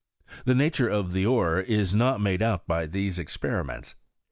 The nature of the ore is not made out by these experiments.